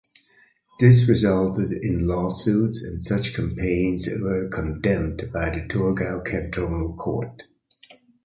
This resulted in lawsuits and such campaigns were condemned by the Thurgau Cantonal Court.